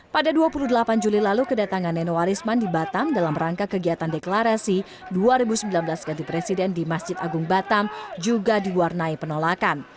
pada dua puluh delapan juli lalu kedatangan nenowarisman di batam dalam rangka kegiatan deklarasi dua ribu sembilan belas ganti presiden di masjid agung batam juga diwarnai penolakan